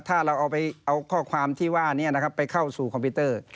ถ้าเราเอาข้อความที่ว่านี้นะครับไปเข้าสู่คอมพิวเตอร์